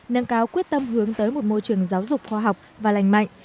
nâng cao quyết tâm hướng tới một môi trường giáo dục khoa học và lành mạnh